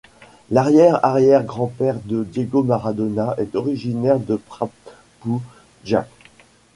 L'arrière-arrière-grand-père de Diego Maradona est originaire de Praputnjak.